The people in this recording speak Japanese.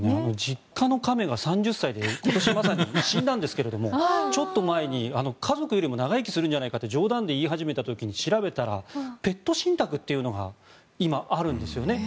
実家の亀が、３０歳で今年まさに死んだんですがちょっと前に家族よりも長生きするんじゃないかと冗談で言い始めた時に調べたら、ペット信託というのが今、あるんですよね。